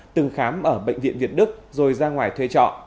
từng khám ở bệnh viện việt đức rồi ra ngoài thuê trọ